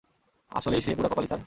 আসলেই সে পুরা কপালী, স্যার।